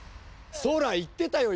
ソラ行ってたよ